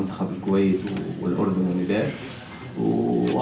saya berharap mencoba melahirkan pertandingan itu